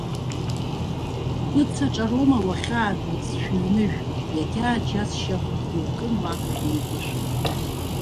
Быцаҿароума уахьаадәылҵ шәыҩныжә, иагьааџьасшьахт, иукын уа еигәышәк.